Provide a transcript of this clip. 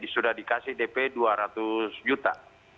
sudah dikasih dp dua ratus juta